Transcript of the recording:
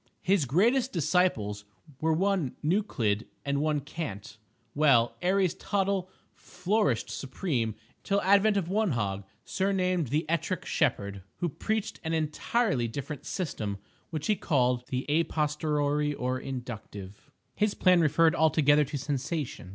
His greatest disciples were one Neuclid, and one Cant. Well, Aries Tottle flourished supreme until advent of one Hog, surnamed the "Ettrick Shepherd," who preached an entirely different system, which he called the a posteriori or inductive. His plan referred altogether to Sensation.